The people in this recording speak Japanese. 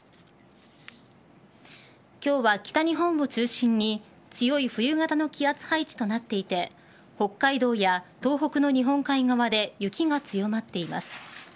今日は北日本を中心に強い冬型の気圧配置となっていて北海道や東北の日本海側で雪が強まっています。